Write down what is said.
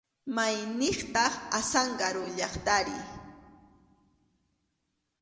¿Mayniqtaq Azángaro llaqtari?